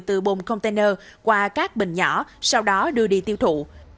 từ bồng container qua các bình nhỏ sau đó đưa đi tiêu thụ